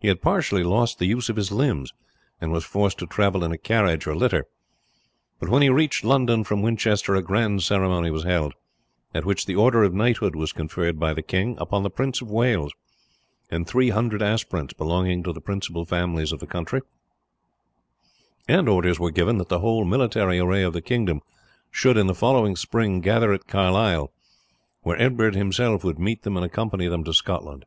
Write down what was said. He had partially lost the use of his limbs, and was forced to travel in a carriage or litter; but when he reached London from Winchester a grand ceremony was held, at which the order of knighthood was conferred by the king upon the Prince of Wales, and three hundred aspirants belonging to the principal families of the country, and orders were given that the whole military array of the kingdom should, in the following spring, gather at Carlisle, where Edward himself would meet them and accompany them to Scotland.